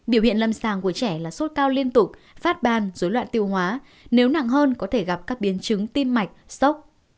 biểu hiện lâm sàng của trẻ là sốt cao liên tục phát ban dối loạn tiêu hóa nếu nặng hơn có thể gặp các biến chứng tim mạch sốc